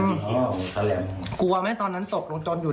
ตรงจรอยู่ในบองที่กลวงตอนนั้นลูก